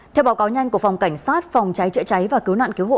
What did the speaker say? theo báo cáo nhanh của phòng cảnh sát phòng cháy chữa cháy và cứu nạn cứu hộ